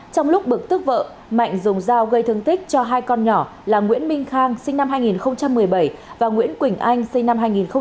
trong lúc bực tức vợ mạnh dùng dao gây thương tích cho hai con nhỏ là nguyễn minh khang sinh năm hai nghìn một mươi bảy và nguyễn quỳnh anh sinh năm hai nghìn một mươi bảy